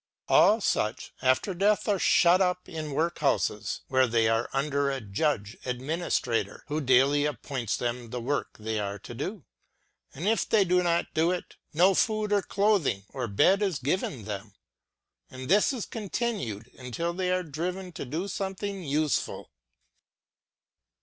All such after death are shut up in workhouses, where they are under a judge administrator, who daily appoints them the work they are to do; and if they do not do it, no food, or clothing, or bed is given them ; and this is continued until they are driven to do something useful.